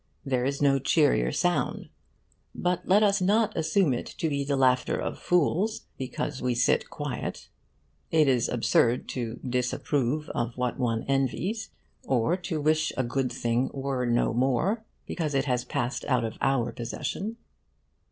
There is no cheerier sound. But let us not assume it to be the laughter of fools because we sit quiet. It is absurd to disapprove of what one envies, or to wish a good thing were no more because it has passed out of our possession.